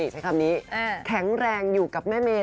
ใช้คำนี้แข็งแรงอยู่กับแม่เมย